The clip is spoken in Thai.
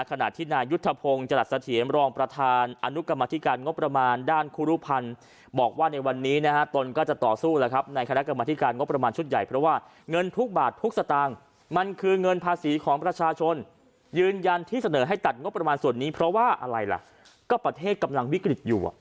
ขณะที่นายุทธพงศ์จรัสเถียรรองประธานอนุกรรมธิการงบประมาณด้านครูรุพันธ์บอกว่าในวันนี้นะฮะตนก็จะต่อสู้แล้วครับในคณะกรรมธิการงบประมาณชุดใหญ่เพราะว่าเงินทุกบาททุกสตางค์มันคือเงินภาษีของประชาชนยืนยันที่เสนอให้ตัดงบประมาณส่วนนี้เพราะว่าอะไรล่ะก็ประเทศกำลังวิกฤตอยู่